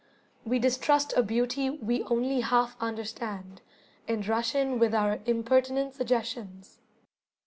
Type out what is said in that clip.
We distrust a beauty we only half understand, and rush in with our impertinent suggestions.